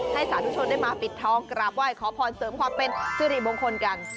สาธุชนได้มาปิดทองกราบไหว้ขอพรเสริมความเป็นสิริมงคลกัน